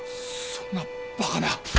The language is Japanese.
そんなバカな。